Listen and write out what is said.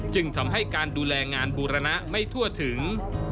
จึงทำให้การดูแลงานบูรณะไม่ทั่วถึง